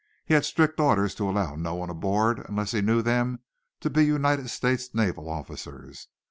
He had strict orders to allow no one aboard unless he knew them to be United States naval officers.